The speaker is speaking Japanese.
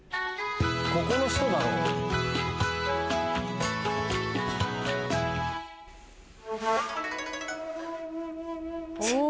ここの人だろう？おぉ！